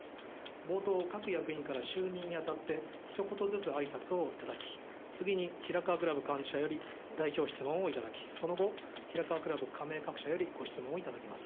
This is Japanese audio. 冒頭、各役員から就任にあたって一言ずつ、あいさつをいただき次に平河クラブ幹事社より代表質問をいただきその後、平河クラブ加盟各社よりご質問をいただきます。